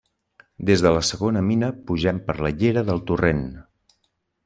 Des de la segona mina, pugem per la llera del torrent.